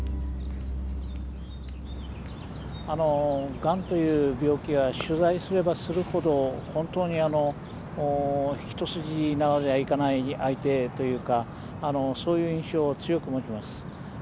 がんという病気は取材すればするほど本当に一筋縄ではいかない相手というかそういう印象を強く持ちます。